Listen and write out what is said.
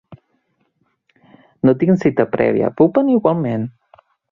No tinc cita prèvia, puc venir igualment?